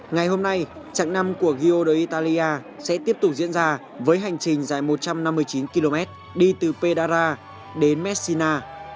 ngày hôm nay trạng năm của ghiodo italia sẽ tiếp tục diễn ra với hành trình dài một trăm năm mươi chín km đi từ pedra đến messina